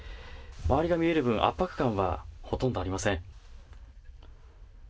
周りが見える分、圧迫感はほとんどありません。